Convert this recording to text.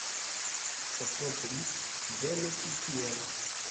Sofoklis, venu ĉi tien!